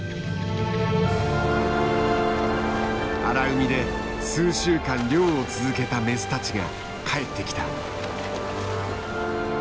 荒海で数週間漁を続けたメスたちが帰ってきた。